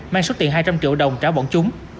mang số tiền hai trăm linh triệu đồng trả bọn chúng